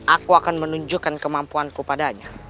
aku akan menunjukkan kemampuanku padanya